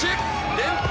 連覇！